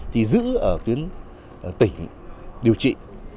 thì giữ ở tuyến tỉnh điều trị